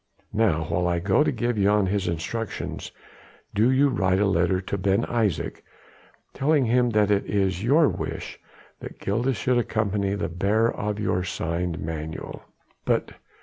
Now while I go to give Jan his instructions do you write a letter to Ben Isaje, telling him that it is your wish that Gilda should accompany the bearer of your sign manual." "But...."